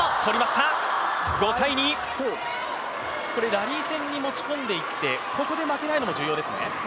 ラリー戦に持ち込んでいって、ここで負けないのも重要ですね。